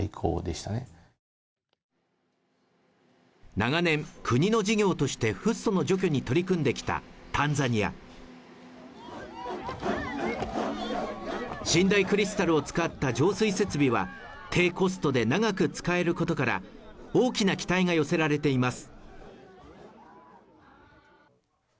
長年、国の事業としてフッ素の除去に取り組んできたタンザニア信大クリスタルを使った浄水設備は低コストで長く使えることから大きな期待が寄せられています。